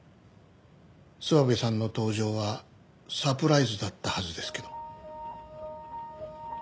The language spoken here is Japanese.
諏訪部さんの登場はサプライズだったはずですけど。